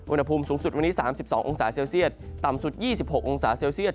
อุณหภูมิสูงสุดวันนี้๓๒องศาเซลเซียตต่ำสุด๒๖องศาเซลเซียต